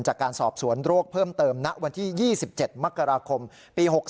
จากการสอบสวนโรคเพิ่มเติมณวันที่๒๗มกราคมปี๖๓